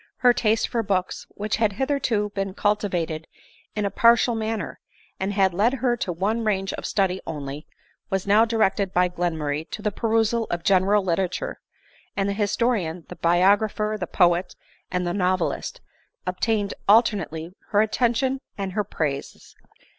Her taste for books, which had hitherto been cultivated in a partial manner, and had led her to one range of study only, was now directed by Glenmurray to the perusal of general literature ; and die historian, the biographer, the poet, and the novelist, obtained alternately her attention and her praises.